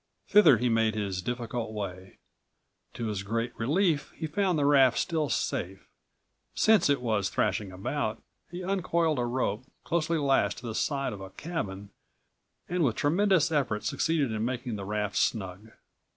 Thither he made his difficult way. To his great relief, he found the raft still safe. Since it was thrashing about, he uncoiled a rope closely lashed to the side of a cabin and with tremendous effort succeeded in making the raft snug.